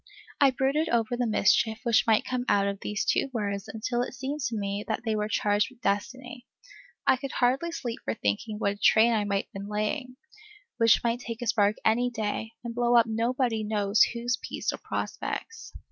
I brooded over the mischief which might come out of these two words until it seemed to me that they were charged with destiny. I could hardly sleep for thinking what a train I might have been laying, which might take a spark any day, and blow up nobody knows whose peace or prospects.